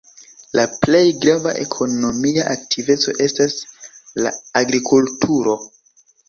La plej grava ekonomia aktiveco estas la agrikulturo.